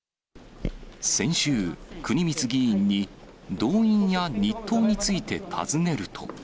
先週、国光議員に動員や日当について尋ねると。